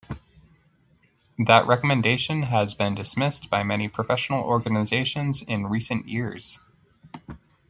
That recommendation has been dismissed by many professional organizations in recent years.